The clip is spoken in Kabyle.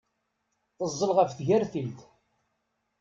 Teẓẓel ɣef tgertilt.